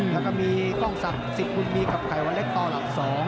และกรรมีตอนตั้งที่กองศัพท์๑๐วิมีกับไขวะเล็กต่อหลัก๒